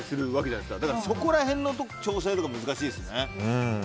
だから、そこら辺の調整が難しいですね。